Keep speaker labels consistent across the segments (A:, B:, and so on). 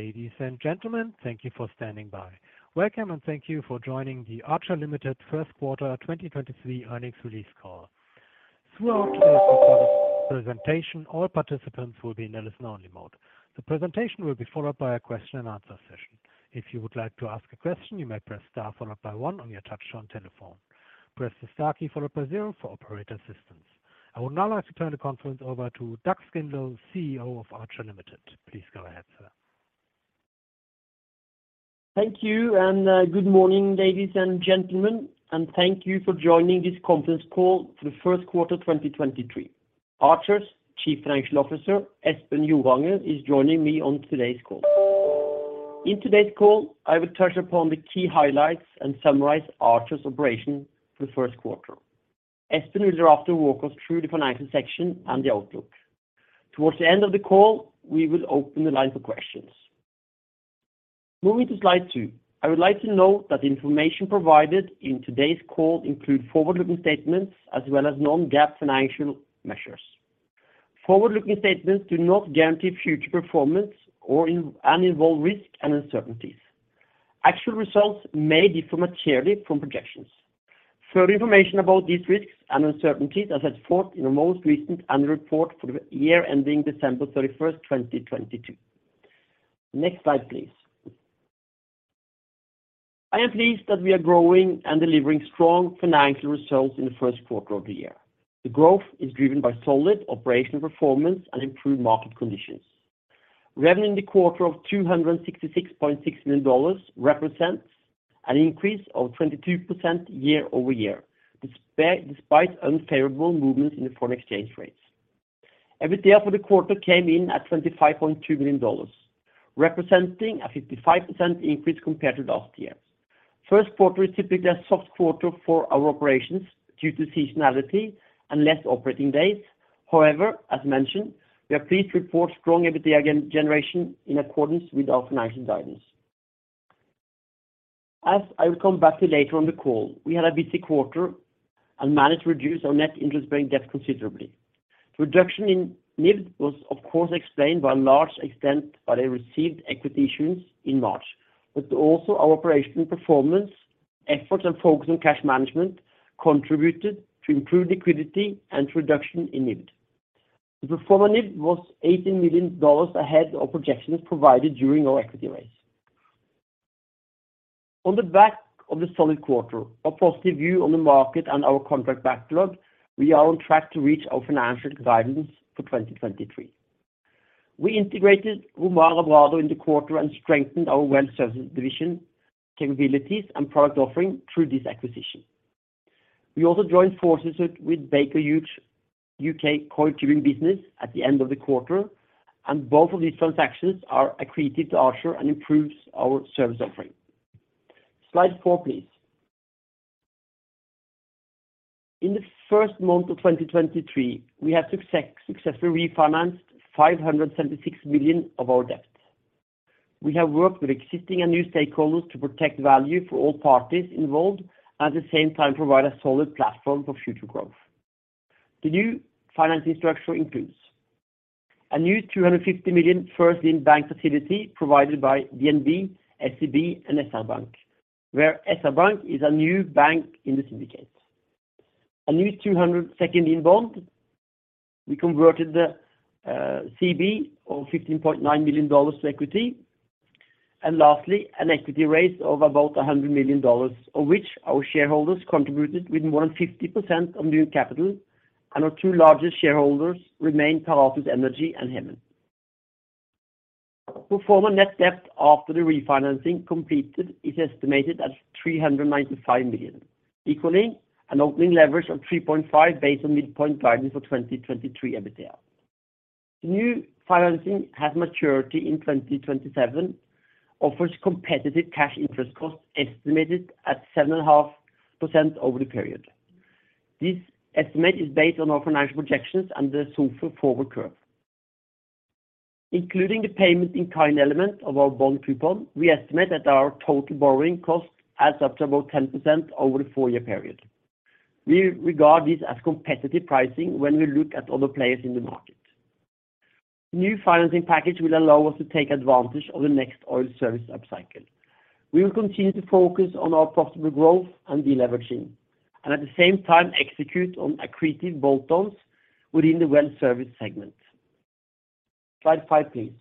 A: Ladies and gentlemen, thank you for standing by. Welcome and thank you for joining the Archer Limited first quarter 2023 earnings release call. Throughout today's presentation, all participants will be in a listen-only mode. The presentation will be followed by a Q&A session. If you would like to ask a question, you may press star followed by 1 on your touchtone telephone. Press the Star key followed by 0 for operator assistance. I would now like to turn the conference over to Dag Skindlo, CEO of Archer Limited. Please go ahead, sir.
B: Thank you and good morning, ladies and gentlemen, and thank you for joining this conference call for the first quarter 2023. Archer's Chief Financial Officer, Espen Joranger, is joining me on today's call. In today's call, I will touch upon the key highlights and summarize Archer's operation for the first quarter. Espen will thereafter walk us through the financial section and the outlook. Towards the end of the call, we will open the line for questions. Moving to slide two. I would like to note that the information provided in today's call include forward-looking statements as well as non-GAAP financial measures. Forward-looking statements do not guarantee future performance and involve risk and uncertainties. Actual results may differ materially from projections. Further information about these risks and uncertainties are set forth in our most recent annual report for the year ending December 31st, 2022. Next slide, please. I am pleased that we are growing and delivering strong financial results in the first quarter of the year. The growth is driven by solid operational performance and improved market conditions. Revenue in the quarter of $266.6 million represents an increase of 22% year-over-year, despite unfavorable movements in the foreign exchange rates. EBITDA for the quarter came in at $25.2 million, representing a 55% increase compared to last year. First quarter is typically a soft quarter for our operations due to seasonality and less operating days. However, as mentioned, we are pleased to report strong EBITDA generation in accordance with our financial guidance. As I will come back to later on the call, we had a busy quarter and managed to reduce our net interest-bearing debt considerably. Reduction in NIBD was, of course, explained by a large extent by the received equity issuance in March. Also, our operational performance efforts and focus on cash management contributed to improved liquidity and reduction in NIBD. The Pro forma NIBD was $18 million ahead of projections provided during our equity raise. On the back of the solid quarter, a positive view on the market and our contract backlog, we are on track to reach our financial guidance for 2023. We integrated Romar-Abrado in the quarter and strengthened our Well Services division capabilities and product offering through this acquisition. We also joined forces with Baker Hughes U.K. coil tubing business at the end of the quarter. Both of these transactions are accretive to Archer and improves our service offering. Slide 4, please. In the first month of 2023, we have successfully refinanced $576 million of our debt. We have worked with existing and new stakeholders to protect value for all parties involved, at the same time provide a solid platform for future growth. The new financing structure includes a new $250 million first lien bank facility provided by DNB, SEB, and SR Bank, where SR Bank is our new bank in the syndicate. A new $200 million second lien bond. We converted the CB of $15.9 million to equity. Lastly, an equity raise of about $100 million, of which our shareholders contributed with more than 50% of new capital, and our two largest shareholders remain Paratus Energy and Hemen. Pro forma net debt after the refinancing completed is estimated at $395 million, equally an opening leverage of 3.5 based on midpoint guidance for 2023 EBITDA. The new financing has maturity in 2027, offers competitive cash interest costs estimated at 7.5% over the period. This estimate is based on our financial projections and the SOFR forward curve. Including the payment-in-kind element of our bond coupon, we estimate that our total borrowing costs adds up to about 10% over the 4-year period. We regard this as competitive pricing when we look at other players in the market. New financing package will allow us to take advantage of the next oil service upcycle. We will continue to focus on our profitable growth and deleveraging, and at the same time execute on accretive bolt-ons within the Well Services segment. Slide 5, please.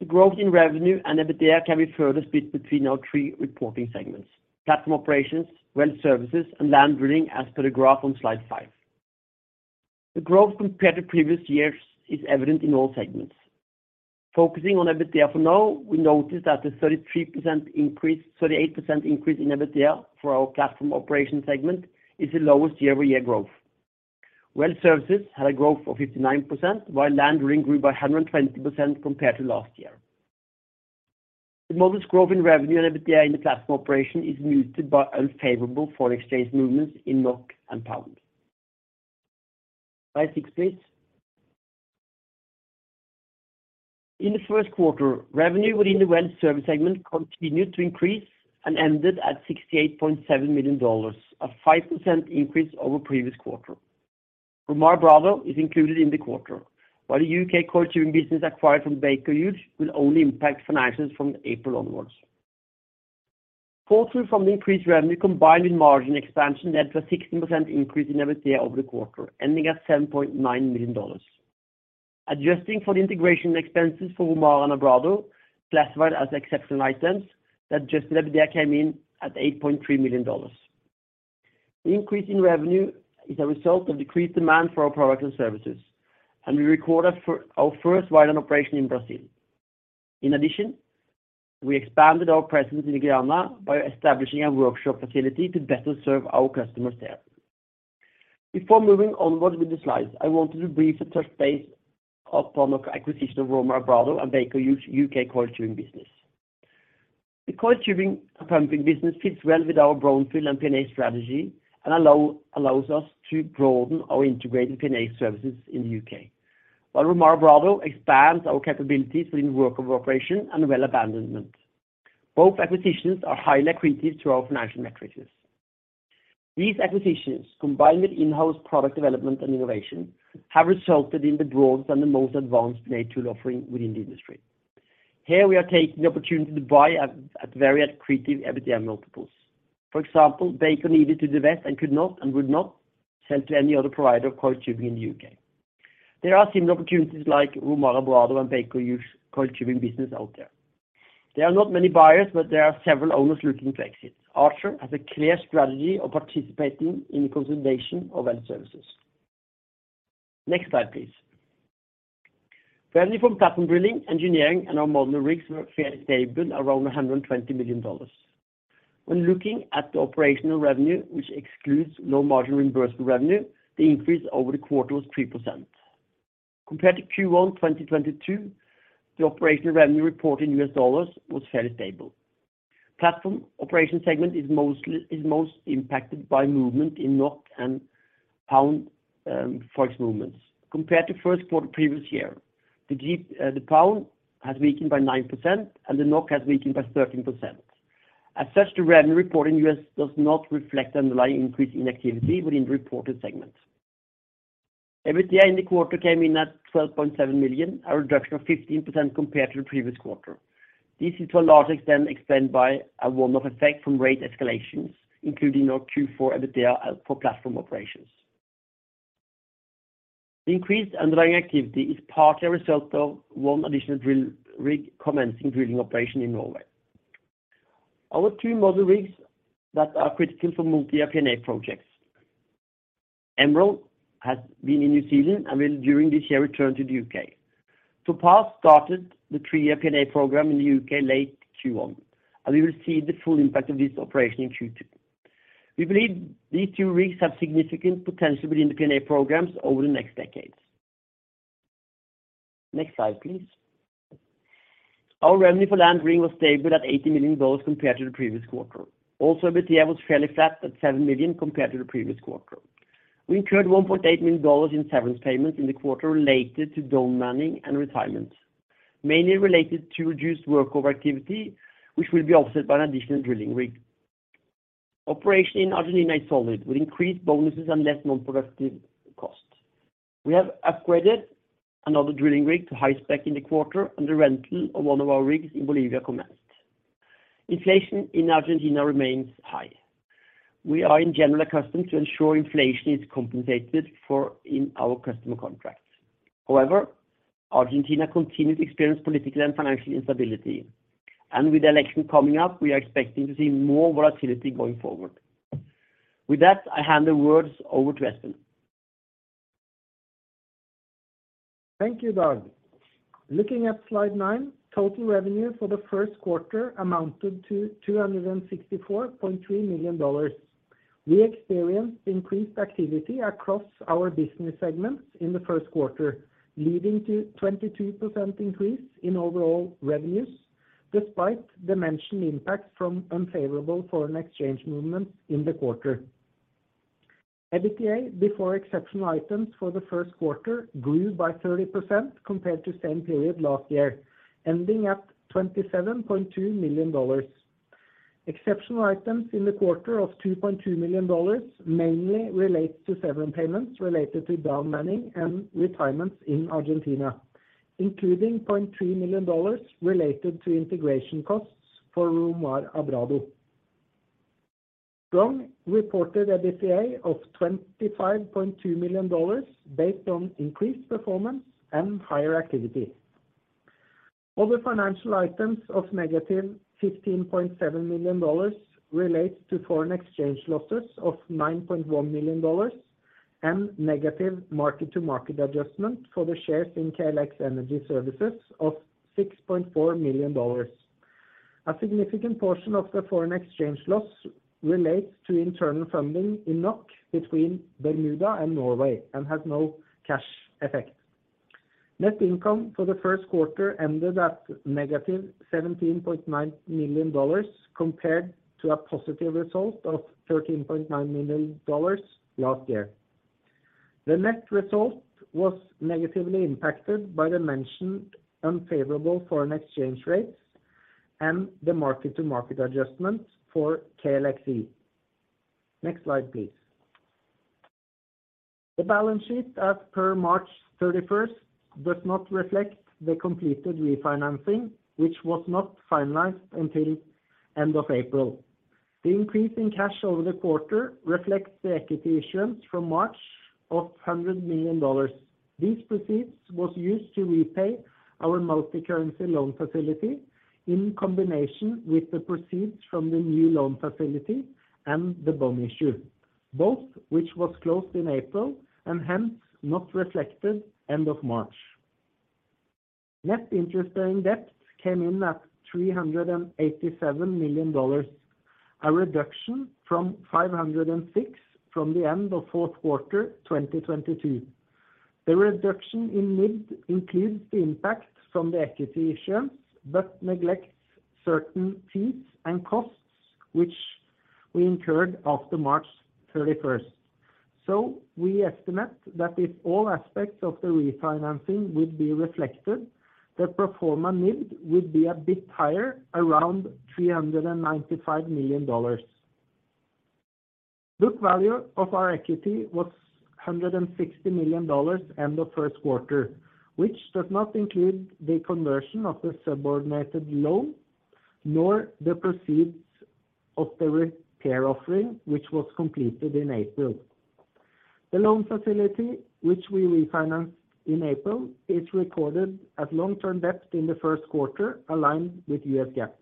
B: The growth in revenue and EBITDA can be further split between our 3 reporting segments: Platform Operations, Well Services, and Land Drilling, as per the graph on slide 5. The growth compared to previous years is evident in all segments. Focusing on EBITDA for now, we notice that the 38% increase in EBITDA for our Platform Operations segment is the lowest year-over-year growth. Well Services had a growth of 59%, while Land Drilling grew by 120% compared to last year. The modest growth in revenue and EBITDA in the Platform Operations is muted by unfavorable foreign exchange movements in NOK and pound. Slide 6, please. In the first quarter, revenue within the Well Services segment continued to increase and ended at $68.7 million, a 5% increase over previous quarter. Romar-Abrado is included in the quarter, while the U.K. coil tubing business acquired from Baker Hughes will only impact financials from April onwards. Follow through from the increased revenue combined with margin expansion led to a 16% increase in EBITDA over the quarter, ending at $7.9 million. Adjusting for the integration expenses for Romar-Abrado, classified as exceptional items, that adjusted EBITDA came in at $8.3 million. The increase in revenue is a result of decreased demand for our products and services, and we recorded our first ride on operation in Brazil. In addition, we expanded our presence in Guyana by establishing a workshop facility to better serve our customers there. Before moving onwards with the slides, I wanted to brief the touch base of on the back of acquisition of Romar-Abrado and Baker Hughes U.K. coil tubing business. The coil tubing pumping business fits well with our brownfield and PNA strategy and allows us to broaden our integrated PNA services in the U.K.. Romar-Abrado expands our capabilities within work of operation and well abandonment. Both acquisitions are highly accretive to our financial matrices. These acquisitions, combined with in-house product development and innovation, have resulted in the broadest and the most advanced PNA tool offering within the industry. Here we are taking the opportunity to buy at very accretive EBITDA multiples. For example, Baker needed to divest and could not, and would not sell to any other provider of coil tubing in the U.K.. There are similar opportunities like Romar-Abrado and Baker Hughes coil tubing business out there. There are not many buyers, but there are several owners looking to exit. Archer has a clear strategy of participating in the consolidation of Well Services. Next slide, please. Revenue from platform drilling, engineering, and our modular rigs were fairly stable around $120 million. When looking at the operational revenue, which excludes low margin reimbursable revenue, the increase over the quarter was 3%. Compared to Q1 2022, the operational revenue reported in U.S. dollars was fairly stable. Platform Operations segment is most impacted by movement in NOK and pound forex movements. Compared to first quarter previous year, the pound has weakened by 9% and the NOK has weakened by 13%. As such, the revenue report in U.S. does not reflect the underlying increase in activity within the reported segment. EBITDA in the quarter came in at $12.7 million, a reduction of 15% compared to the previous quarter. This is to a large extent explained by a one-off effect from rate escalations, including our Q4 EBITDA for Platform Operations. The increased underlying activity is partly a result of one additional drill rig commencing drilling operation in Norway. Our two modular rigs that are critical for multi-year PNA projects, Emerald has been in New Zealand and will during this year return to the U.K.. Topaz started the three-year PNA program in the U.K. late Q1. We will see the full impact of this operation in Q2. We believe these two rigs have significant potential within the PNA programs over the next decades. Next slide, please. Our revenue for Land Drilling was stable at $80 million compared to the previous quarter. Also, EBITDA was fairly flat at $7 million compared to the previous quarter. We incurred $1.8 million in severance payments in the quarter related to down manning and retirements, mainly related to reduced work over activity, which will be offset by an additional drilling rig. Operation in Argentina is solid with increased bonuses and less non-productive costs. We have upgraded another drilling rig to high-spec in the quarter, and the rental of one of our rigs in Bolivia commenced. Inflation in Argentina remains high. We are in general accustomed to ensure inflation is compensated for in our customer contracts. However, Argentina continues to experience political and financial instability. With the election coming up, we are expecting to see more volatility going forward. With that, I hand the words over to Espen.
C: Thank you, Dag. Looking at slide 9, total revenue for the first quarter amounted to $264.3 million. We experienced increased activity across our business segments in the first quarter, leading to 22% increase in overall revenues despite the mentioned impact from unfavorable foreign exchange movements in the quarter. EBITDA before exceptional items for the first quarter grew by 30% compared to same period last year, ending at $27.2 million. Exceptional items in the quarter of $2.2 million mainly relate to severance payments related to down manning and retirements in Argentina, including $0.3 million related to integration costs for Romar-Abrado. Strong reported EBITDA of $25.2 million based on increased performance and higher activity. Other financial items of negative $15.7 million relates to foreign exchange losses of $9.1 million and negative mark-to-market adjustment for the shares in KLX Energy Services of $6.4 million. A significant portion of the foreign exchange loss relates to internal funding in NOK between Bermuda and Norway and has no cash effect. Net income for the first quarter ended at negative $17.9 million compared to a positive result of $13.9 million last year. The net result was negatively impacted by the mentioned unfavorable foreign exchange rates and the mark-to-market adjustments for KLXE. Next slide, please. The balance sheet as per March 31st does not reflect the completed refinancing, which was not finalized until end of April. The increase in cash over the quarter reflects the equity issuance from March of $100 million. These proceeds was used to repay our multicurrency loan facility in combination with the proceeds from the new loan facility and the bond issue, both which was closed in April and hence not reflected end of March. net interest-bearing debt came in at $387 million, a reduction from $506 million from the end of fourth quarter 2022. The reduction in NIBD includes the impact from the equity issuance, but neglects certain fees and costs which we incurred after March 31st. We estimate that if all aspects of the refinancing would be reflected, the pro forma NIBD would be a bit higher, around $395 million. Book value of our equity was $160 million end of first quarter, which does not include the conversion of the subordinated loan, nor the proceeds of the repair offering, which was completed in April. The loan facility, which we refinanced in April, is recorded as long-term debt in the first quarter, aligned with U.S. GAAP.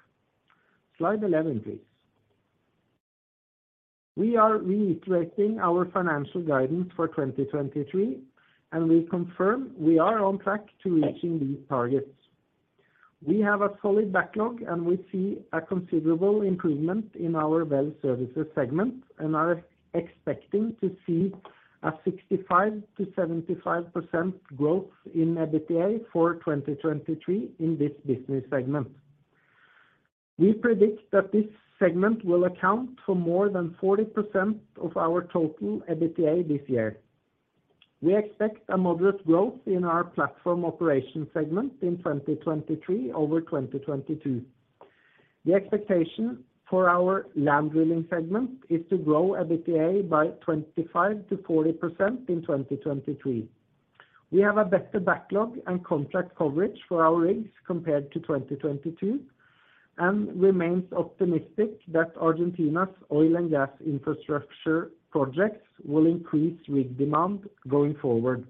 C: Slide 11, please. We are reiterating our financial guidance for 2023, we confirm we are on track to reaching these targets. We have a solid backlog, we see a considerable improvement in our Well Services segment are expecting to see a 65%-75% growth in EBITDA for 2023 in this business segment. We predict that this segment will account for more than 40% of our total EBITDA this year. We expect a moderate growth in our Platform Operations segment in 2023 over 2022. The expectation for our Land Drilling segment is to grow EBITDA by 25%-40% in 2023. We have a better backlog and contract coverage for our rigs compared to 2022 and remains optimistic that Argentina's oil and gas infrastructure projects will increase rig demand going forward.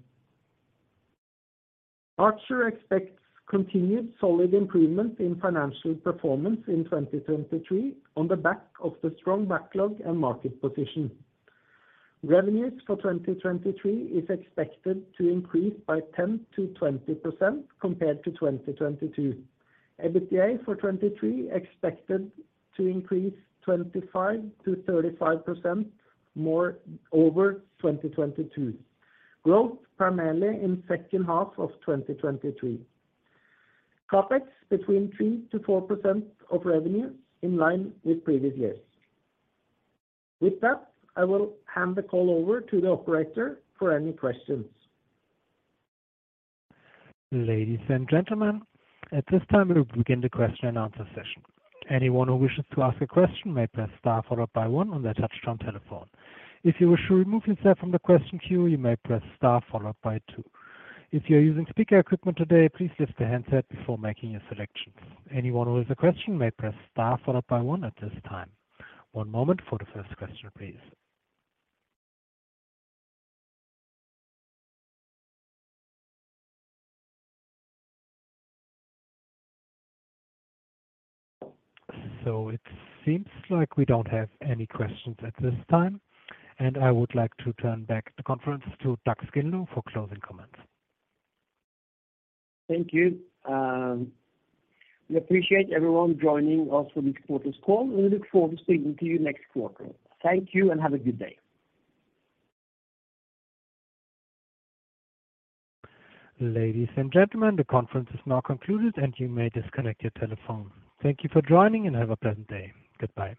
C: Archer expects continued solid improvement in financial performance in 2023 on the back of the strong backlog and market position. Revenues for 2023 is expected to increase by 10%-20% compared to 2022. EBITDA for 2023 expected to increase 25%-35% more over 2022. Growth primarily in second half of 2023. CapEx between 3%-4% of revenue in line with previous years. I will hand the call over to the operator for any questions.
A: Ladies and gentlemen, at this time, we'll begin the Q&A session. Anyone who wishes to ask a question may press star followed by one on their touchtone telephone. If you wish to remove yourself from the question queue, you may press star followed by two. If you're using speaker equipment today, please lift the handset before making your selections. Anyone who has a question may press star followed by one at this time. One moment for the first question, please. It seems like we don't have any questions at this time, and I would like to turn back the conference to Dag Skindlo for closing comments.
B: Thank you. We appreciate everyone joining us for this quarter's call, and we look forward to speaking to you next quarter. Thank you. Have a good day.
A: Ladies and gentlemen, the conference is now concluded, and you may disconnect your telephone. Thank you for joining and have a pleasant day. Goodbye.